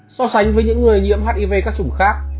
so sánh với những người nhiễm hiv các chủng khác